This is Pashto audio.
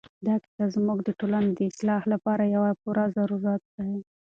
دا کیسه زموږ د ټولنې د اصلاح لپاره یو پوره ضرورت دی.